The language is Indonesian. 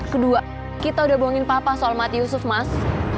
kedua kita udah buangin papa soal mati yusuf mas